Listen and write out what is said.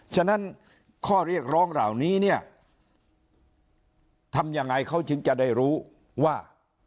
ฉะนั้นข้อเรียกร้องเหล่านี้เนี่ยทำยังไงเขาถึงจะได้รู้ว่า